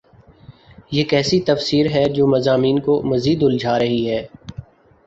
یہ کیسی تفسیر ہے جو مضامین کو مزید الجھا رہی ہے؟